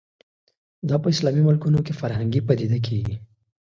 دا په اسلامي ملکونو کې فرهنګي پدیده کېږي